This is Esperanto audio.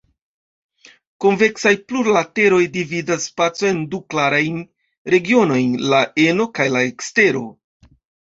Konveksaj plurlateroj dividas spacon en du klarajn regionojn, la eno kaj la ekstero.